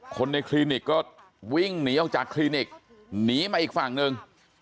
คนในคลินิกก็วิ่งหนีออกจากคลินิกหนีมาอีกฝั่งหนึ่ง